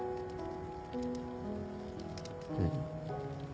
うん。